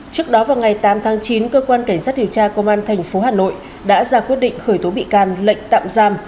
trước đó vào ngày tám tháng chín cơ quan cảnh sát điều tra công an tp hà nội đã ra quyết định khởi tố bị can lệnh tạm giam